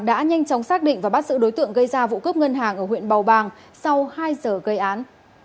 đã nhanh chóng xác định và bắt giữ đối tượng gây ra vụ cướp ngân hàng ở huyện bào bàng sau hai giờ gây án